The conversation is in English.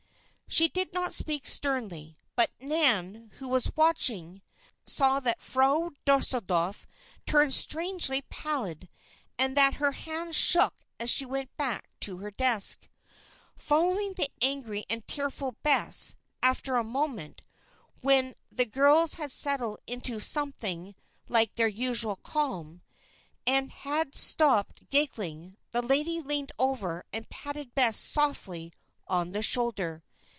She did not speak sternly; but Nan who was watching saw that Frau Deuseldorf turned strangely pallid and that her hands shook as she went back to her desk, following the angry and tearful Bess. After a moment, when the girls had settled into something like their usual calm, and had stopped giggling, the lady leaned over and patted Bess softly on the shoulder.